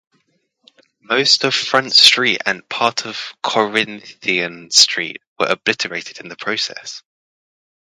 Most of Front Street and part of Corinthian Street were obliterated in the process.